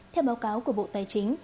theo báo cáo của bộ tài chính